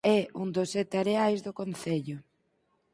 É un dos sete areais do concello.